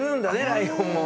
ライオンも。